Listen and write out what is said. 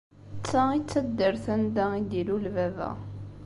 D ta i d taddart anda i d-ilul baba.